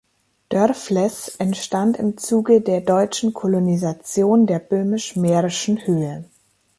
Dörfles entstand im Zuge der deutschen Kolonisation der Böhmisch-Mährischen Höhe.